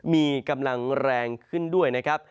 มีกำลังแรงขึ้นด้วยนะครับ